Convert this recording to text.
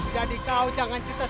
jadi kau jangan cerita